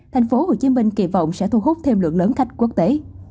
thành phố hồ chí minh kỳ vọng sẽ thu hút thêm lượng lớn khách quốc tế